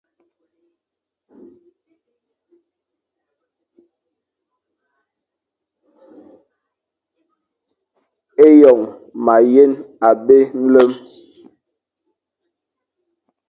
Eyon mayen abé nlem.